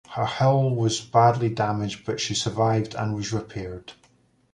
Her hull was badly damaged, but she survived and was repaired.